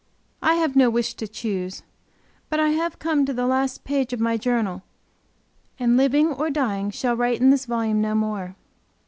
I have no wish to choose. But I have come to the last page of my Journal, and living or dying, shall write in this volume no more.